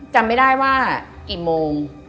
จำไม่ได้ว่ากี่โมง